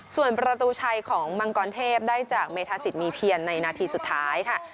ส่วนประตูชัยของมังกรเทพได้จากเมธาสิทธิมีเพียรในนาทีสุดท้ายค่ะ